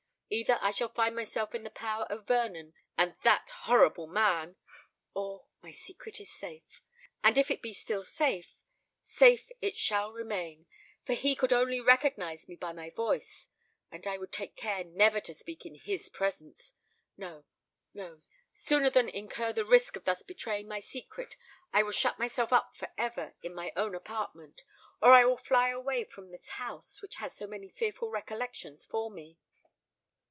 Either I shall find myself in the power of Vernon and that horrible man; or my secret is safe! And if it be still safe—safe it shall remain;—for he could only recognise me by my voice—and I will take care never to speak in his presence! No—no: sooner than incur the risk of thus betraying my secret, I will shut myself up for ever in my own apartment—or I will fly far away from this house which has so many fearful recollections for me!"